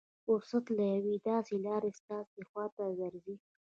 فرصت له يوې داسې لارې ستاسې خوا ته درځي.